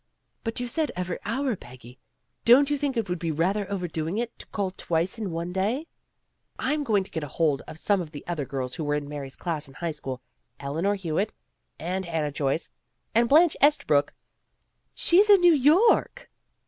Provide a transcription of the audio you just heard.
"But you said every hour, Peggy. Don't you think it would be rather over doing it to call twice in one day?" "I'm going to get hold of some of the other girls who were in Mary's class in high school, Elinor Hewitt, and Anna Joyce, and Blanche Eastabrook " "She's in New York."